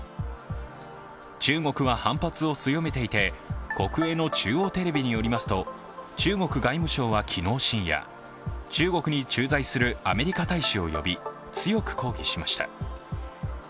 中国は反発を強めていて国営の中央テレビによりますと、中国外務省は昨日深夜中国に駐在するアメリカ大使を呼び、強く抗議しました。